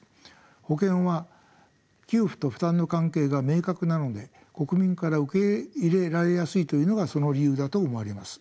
保険は給付と負担の関係が明確なので国民から受け入れられやすいというのがその理由だと思われます。